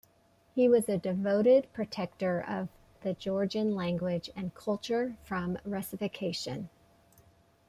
He was a devoted protector of the Georgian language and culture from Russification.